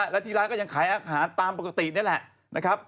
แล้วที่ร้านก็ยังขายอาหารตามปกตินี่แหละ